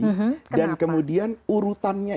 kenapa dan kemudian urutannya